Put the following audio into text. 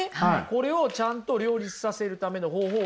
これをちゃんと両立させるための方法